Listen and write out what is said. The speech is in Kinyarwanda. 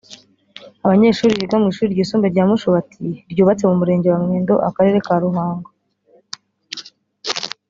Abanyeshuri biga mu ishuri ryisumbuye rya Mushubati ryubatse mu murenge wa Mwendo akarere ka Ruhango